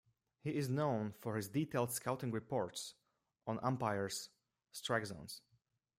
He is known for his detailed scouting reports on umpires' strike zones.